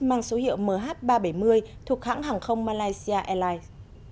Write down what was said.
mang số hiệu mh ba trăm bảy mươi thuộc hãng hàng không malaysia airlines